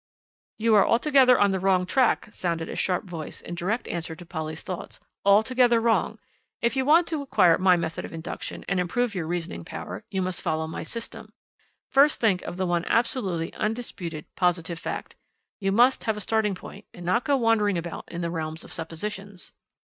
"You are altogether on the wrong track," sounded a sharp voice in direct answer to Polly's thoughts "altogether wrong. If you want to acquire my method of induction, and improve your reasoning power, you must follow my system. First think of the one absolutely undisputed, positive fact. You must have a starting point, and not go wandering about in the realms of suppositions."